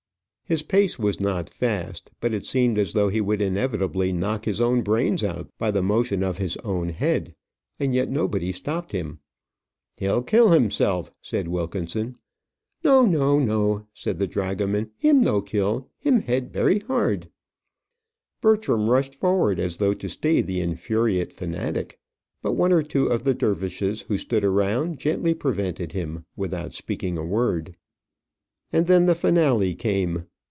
His pace was not fast, but it seemed as though he would inevitably knock his own brains out by the motion of his own head; and yet nobody stopped him. "He'll kill himself," said Wilkinson. "No, no, no!" said the dragoman; "him no kill him head berry hard." Bertram rushed forward as though to stay the infuriate fanatic, but one or two of the dervishes who stood around gently prevented him, without speaking a word. And then the finale came.